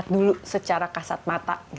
dulu secara kasat mata